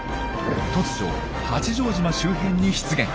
突如八丈島周辺に出現。